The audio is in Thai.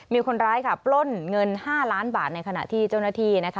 มีคนร้ายค่ะปล้นเงิน๕ล้านบาทในขณะที่เจ้าหน้าที่นะคะ